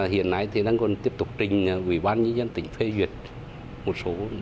hiện nay còn tiếp tục trình ubnd tỉnh phê duyệt một số đơn vị tàu